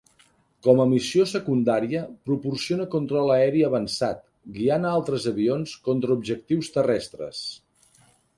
Com a missió secundària, proporciona control aeri avançat, guiant a altres avions contra objectius terrestres.